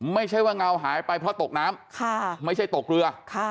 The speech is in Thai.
ไม่ใช่ว่าเงาหายไปเพราะตกน้ำไม่ใช่ตกเรือ